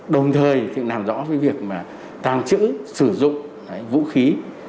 đồng thời làm rõ việc tàng trữ sử dụng vũ khí